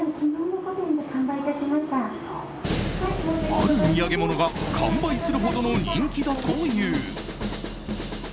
ある土産物が完売するほどの人気だという。